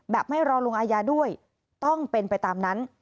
ไม่รอลงอาญาด้วยต้องเป็นไปตามนั้น